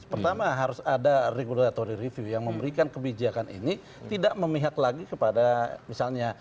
pertama harus ada regulatory review yang memberikan kebijakan ini tidak memihak lagi kepada misalnya